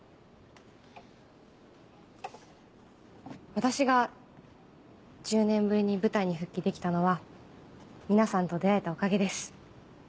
私が１０年ぶりに舞台に復帰できたのは皆さんと出会えたおかげです。